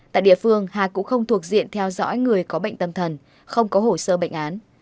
tại địa phương hà cũng không thuộc diện theo dõi người có bệnh tâm thần không có hồ sơ bệnh án